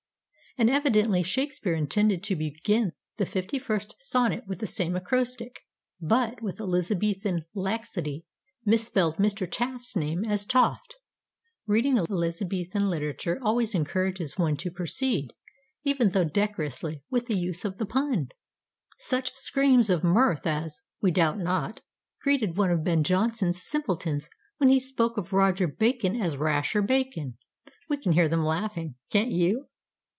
And evidently Shakespeare intended to begin the 51st sonnet with the same acrostic; but, with Elizabethan laxity, misspelled Mr. Taft's name as TOFT. Reading Elizabethan literature always encourages one to proceed, even though decorously, with the use of the pun. Such screams of mirth as (we doubt not) greeted one of Ben Jonson's simpletons when he spoke of Roger Bacon as Rasher Bacon (we can hear them laughing, can't you?)